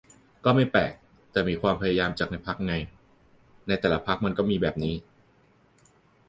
ก็ไม่แปลก แต่มีความพยายามจากในพรรคไง ในแต่ละพรรคมันก็มีแบบนี้